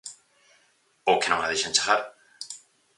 Ou que non a deixan chegar.